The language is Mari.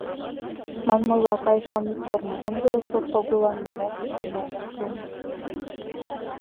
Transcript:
Манмыла, кайышылан ик корно, ынде Осып Пагуллан нимо-нимо ок кӱл.